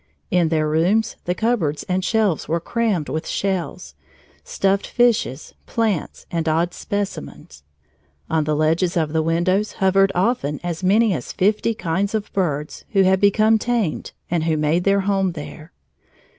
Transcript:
In their rooms the cupboards and shelves were crammed with shells, stuffed fishes, plants, and odd specimens. On the ledges of the windows hovered often as many as fifty kinds of birds who had become tamed and who made their home there.